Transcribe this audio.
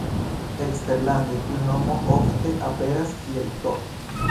Eksterlande tiu nomo ofte aperas kiel Tot.